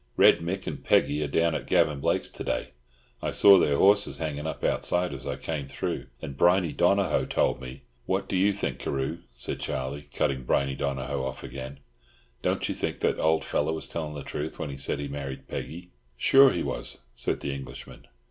"Red Mick and Peggy are down at Gavan Blake's to day. I saw their horses hanging up outside as I came through. And Briney Donohoe told me—" "What do you think, Carew?" said Charlie, cutting Briney Donohoe off again. "Don't you think that old fellow was telling the truth when he said he married Peggy?" "Sure he was," said the Englishman.